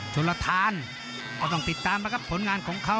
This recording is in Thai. จนละทานต้องติดตามผลงานของเขา